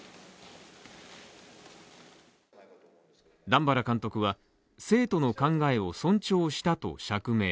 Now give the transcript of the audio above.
段原監督は生徒の考えを尊重したと釈明。